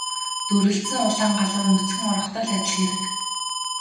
Дүрэлзсэн улаан гал руу нүцгэн орохтой л адил хэрэг.